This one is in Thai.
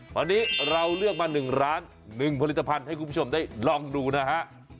วันนี้เราเลือกมา๑ร้าน๑ผลิตภัณฑ์ให้คุณผู้ชมได้ลองดูนะฮะ